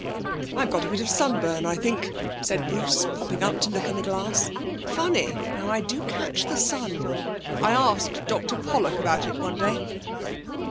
'I've got a bit of sunburn, I think,' said Bruce, popping up to look in the glass. 'Funny how I do catch the sun. I asked Dr Pollock about it one day.'